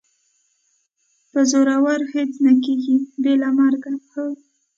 په زړورو هېڅ نه کېږي، بې له مرګه، هو.